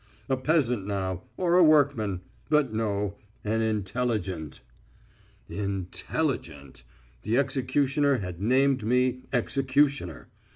_... A peasant now, or a workman ... but no, an intelligent!" Intel li gent! The executioner had named me executioner!